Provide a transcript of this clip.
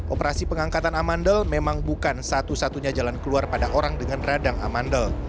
operasi pengangkatan amandel memang bukan satu satunya jalan keluar pada orang dengan radang amandel